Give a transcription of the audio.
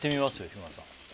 日村さん